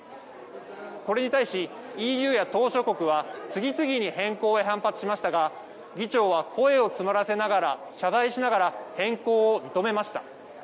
これに対し、ＥＵや島しょ国は次々に変更へ反発しましたが、議長は声を詰まらせながら、謝罪しながら、変更を認めました。